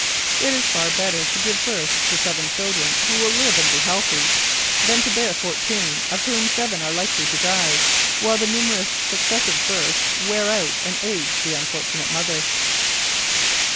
It is far better to give birth to seven children, who will live and be healthy, than to bear fourteen, of whom seven are likely to die, while the numerous successive births wear out and age the unfortunate mother.